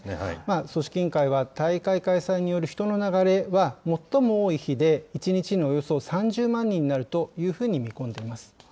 組織委員会は、大会開催による人の流れは最も多い日で１日におよそ３０万人になるというふうに見込んでいます。